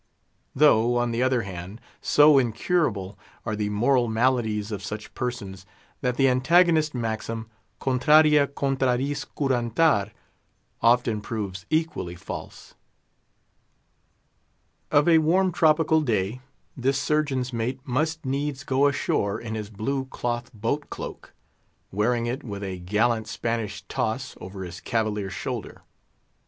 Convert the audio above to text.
Though, on the other hand, so incurable are the moral maladies of such persons, that the antagonist maxim, contraria contrariis curantar, often proves equally false. Of a warm tropical day, this Surgeon's mate must needs go ashore in his blue cloth boat cloak, wearing it, with a gallant Spanish toss, over his cavalier shoulder.